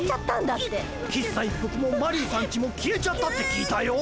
喫茶一服もマリーさんちも消えちゃったって聞いたよ。